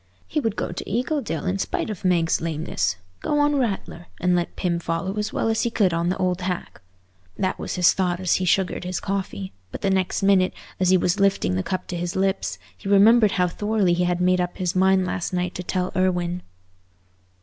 He would go to Eagledale in spite of Meg's lameness—go on Rattler, and let Pym follow as well as he could on the old hack. That was his thought as he sugared his coffee; but the next minute, as he was lifting the cup to his lips, he remembered how thoroughly he had made up his mind last night to tell Irwine.